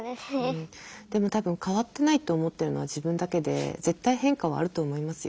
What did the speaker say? でも多分変わってないと思ってるのは自分だけで絶対変化はあると思いますよ。